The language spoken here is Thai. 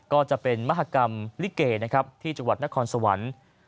ก็จะเป็นมหากรรมลิเกนะครับที่จังหวัดนครสวรรค์